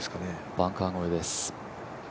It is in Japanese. バンカー越えです。